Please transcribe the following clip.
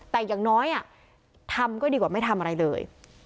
แต่อย่างน้อยทำก็ดีกว่าไม่ทำอะไรเลย